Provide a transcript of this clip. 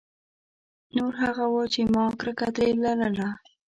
نور هغه وو چې ما کرکه ترې لرله.